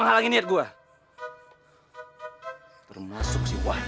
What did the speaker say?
menghalangi niat gua termasuk si wahyu